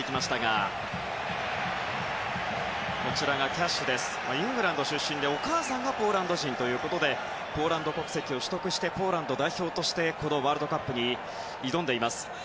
キャッシュはイングランド出身ですがお母さんがポーランド出身でポーランド国籍を取得してポーランド代表としてこのワールドカップに挑んでいます。